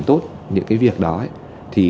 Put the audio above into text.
tốt những cái việc đó ấy thì